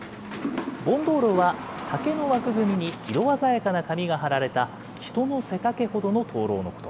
盆灯ろうは、竹の枠組みに、色鮮やかな紙が張られた人の背丈ほどの灯籠のこと。